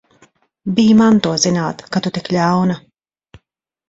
Bij man to zināt, ka tu tik ļauna!